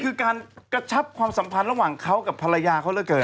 คือการกระชับความสัมพันธ์ระหว่างเขากับภรรยาเขาเหลือเกิน